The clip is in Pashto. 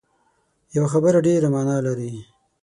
یوه خبره ډېره معنا لري